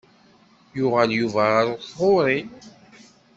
Yuɣal Yuba ɣer tɣuri.